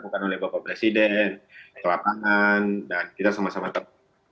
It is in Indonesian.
bukan oleh bapak presiden ke lapangan dan kita sama sama tahu